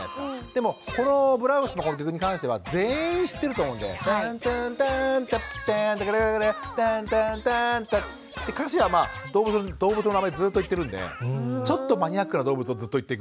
でもこのブラームスの曲に関しては全員知ってると思うんで「タンタンターンタターンタタカタカタタンタンターンタ」歌詞はまあ動物の名前ずっと言ってるんでちょっとマニアックな動物をずっと言ってくっていう。